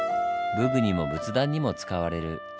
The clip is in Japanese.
武具にも仏壇にも使われる金箔。